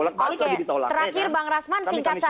oke terakhir bang rasman singkat saja